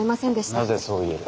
なぜそう言える。